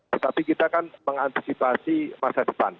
tetapi kita kan mengantisipasi masa depan